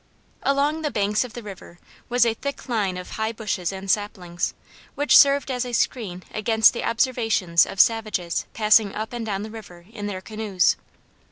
Along the banks of the river was a thick line of high bushes and saplings, which served as a screen against the observations of savages passing up and down the river in their canoes.